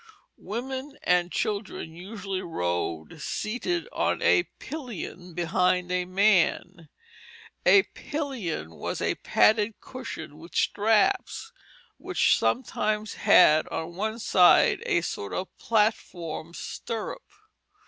Women and children usually rode seated on a pillion behind a man. A pillion was a padded cushion with straps which sometimes had on one side a sort of platform stirrup.